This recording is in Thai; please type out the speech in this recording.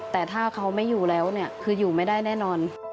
แต่ถ้าเขาไม่อยู่แล้วเนี่ยคืออยู่ไม่ได้แน่นอน